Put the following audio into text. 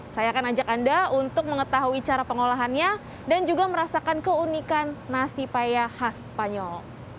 saya akan ajak anda untuk mengetahui cara pengolahannya dan juga merasakan keunikan nasi payah khas spanyol